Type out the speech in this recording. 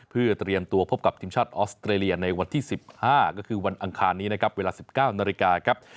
เพื่อเตรียมตัวพบกับทีมชาติออสเตรเลียในวันที่๑๕ก็คือวันอังคารนี้นะครับเวลา๑๙นาฬิกาครับ